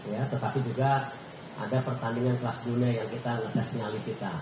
ya tetapi juga ada pertandingan kelas dunia yang kita ngetes nyali kita